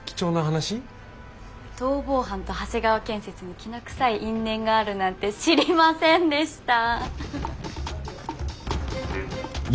逃亡犯と長谷川建設にきな臭い因縁があるなんて知りませんでした。